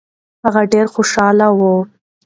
هغه ډېر خوشاله و.